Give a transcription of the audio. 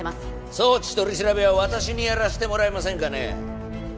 送致取り調べは私にやらしてもらえませんかね